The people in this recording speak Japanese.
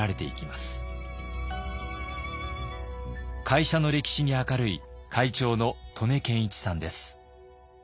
会社の歴史に明るい会長の刀根健一さんです。